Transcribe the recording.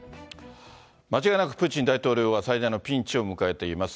間違いなくプーチン大統領は、最大のピンチを迎えています。